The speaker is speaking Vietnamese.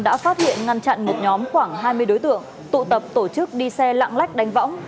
đã phát hiện ngăn chặn một nhóm khoảng hai mươi đối tượng tụ tập tổ chức đi xe lạng lách đánh võng